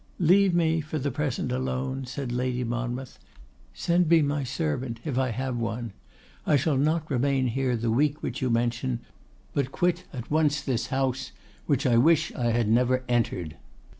'Leave me for the present alone,' said Lady Monmouth. 'Send me my servant, if I have one. I shall not remain here the week which you mention, but quit at once this house, which I wish I had never entered.